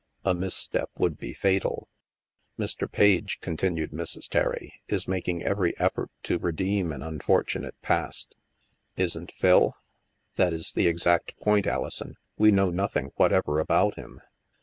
A misstep would be fatal. *' Mr. Page," continued Mrs. Terry, " is making every ef fort to redeem an unfortunate past." '* Isn't Phil?" " That is the exact point, Alison. We know noth ing whatever about him."